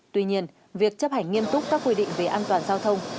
tuy nhiên việc chấp hành nghiêm túc các quy định về an toàn giao thông